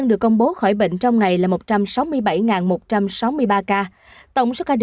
đắk nông một bốn trăm sáu mươi năm